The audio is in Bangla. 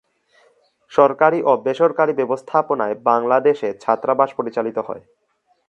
সরকারি ও বেসরকারী ব্যবস্থাপনায় বাংলাদেশে ছাত্রাবাস পরিচালিত হয়।